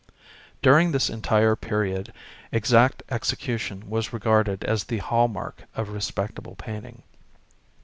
During this entire period exact execution was regarded as the hallmark of respectable painting.